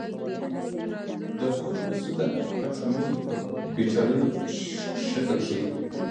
د هوند اصول د اټومي اوربیتالونو شکل ښيي.